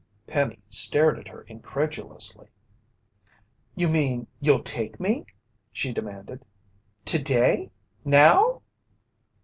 Penny stared at her incredulously. "You mean you'll take me?" she demanded. "Today? Now?"